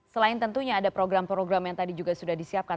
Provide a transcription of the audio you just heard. selain tentunya ada program program yang tadi juga sudah disiapkan